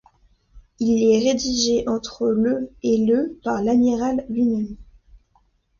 Il est rédigé entre le et le par l'amiral lui-même.